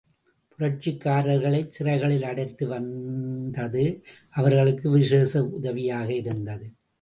புரட்சிக்காரர்களைச் சிறைகளில் அடைத்து வந்தது அவர்களுக்கு விசேஷ உதவியாக இருந்தது.